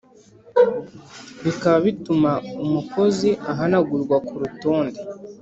bikaba bituma umukozi ahanagurwa ku rutonde